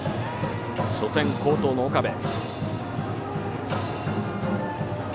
初戦、好投の岡部。